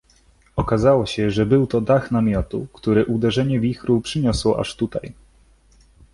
Okazało się, że był to dach namiotu, który uderzenie wichru przyniosło aż tutaj.